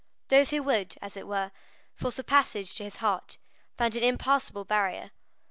Those who would, as it were, force a passage to his heart, found an impassable barrier.